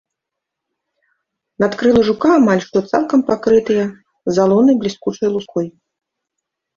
Надкрылы жука амаль што цалкам пакрытыя залёнай бліскучай луской.